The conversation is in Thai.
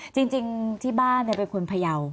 จริงที่บ้านเป็นคนพยาว